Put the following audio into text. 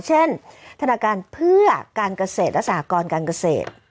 เช่นธนาคารเพื่อการเกษตรและสหกรการเกษตร